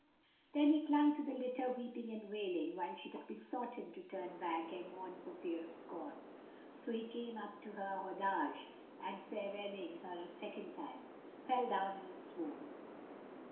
Then he clung to the litter, weeping and wailing, whilst she besought him to turn back ere morn for fear of scorn. So he came up to her Haudaj and farewelling her a second time, fell down in a swoon.